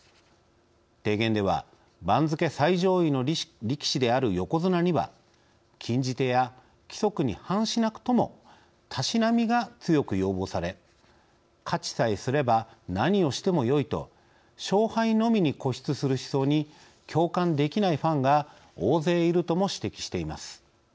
提言では番付最上位の力士である横綱には禁じ手や規則に反しなくともたしなみが強く要望され勝ちさえすれば何をしてもよいと勝敗のみに固執する思想に共感できないファンが大勢いるとも指摘しています。